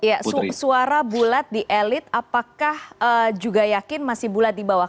ya suara bulat di elit apakah juga yakin masih bulat di bawah